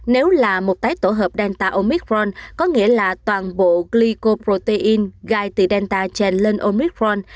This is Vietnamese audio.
nếu là một tái tổ hợp delta omicron có nghĩa là toàn bộ glycoprotein gai từ delta chèn lên omicron